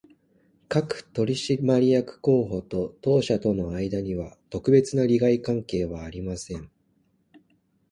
各取締役候補と当社との間には、特別な利害関係はありません